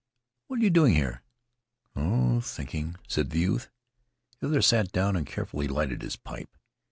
What you doing here?" "Oh, thinking," said the youth. The other sat down and carefully lighted his pipe.